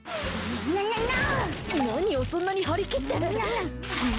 何をそんなに張り切って？